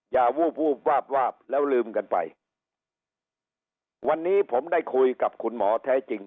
วูบวูบวาบวาบแล้วลืมกันไปวันนี้ผมได้คุยกับคุณหมอแท้จริง